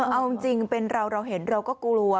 เอาจริงเป็นเราเราเห็นเราก็กลัว